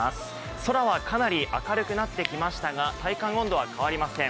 空はかなり明るくなってきましたが体感温度は変わりません。